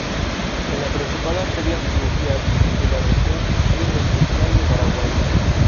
Es la principal arteria fluvial de la región, en especial, de Paraguay.